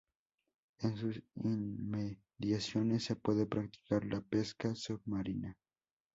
En sus inmediaciones se puede practicar la pesca submarina.